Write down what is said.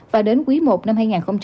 và đến quý i năm hai nghìn hai mươi